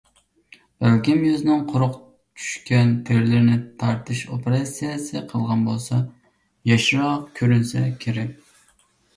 بەلكىم يۈزىنىڭ قورۇق چۈشكەن تېرىلىرىنى تارتىش ئوپېراتسىيەسى قىلغان بولسا ياشراق كۆرۈنسە كېرەك.